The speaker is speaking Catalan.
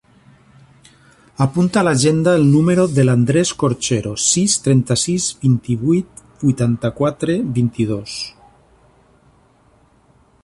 Apunta a l'agenda el número de l'Andrés Corchero: sis, trenta-sis, vint-i-vuit, vuitanta-quatre, vint-i-dos.